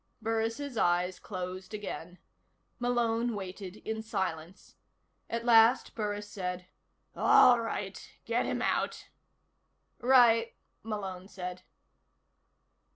Burris' eyes closed again. Malone waited in silence. At last Burris said: "All right. Get him out." "Right," Malone said.